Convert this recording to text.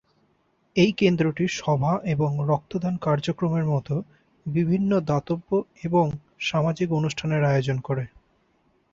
এই কেন্দ্রটি সভা এবং রক্তদান কার্যক্রমের মতো বিভিন্ন দাতব্য এবং সামাজিক অনুষ্ঠানের আয়োজন করে।